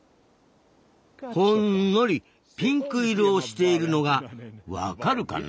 ほんのりピンク色をしているのがわかるかな？